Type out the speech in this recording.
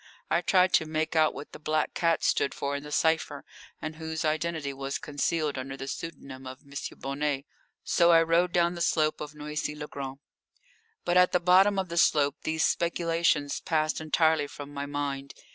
I tried to make out what the black cat stood for in the cipher, and whose identity was concealed under the pseudonym of M. Bonnet. So I rode down the slope of Noisy le Grand. But at the bottom of the slope these speculations passed entirely from my mind.